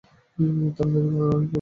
তাড়াতাড়ি আয়, মাদক নিয়ে আয়!